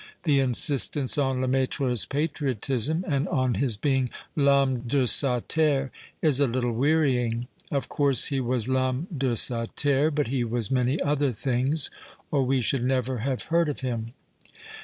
" The insistence on Lemaitre's patriotism and on his being ' I'homme de sa terre ' is a little wearying ; of course he was ' I'homme de sa terre,' but he was many other things, or we should never have heard of him."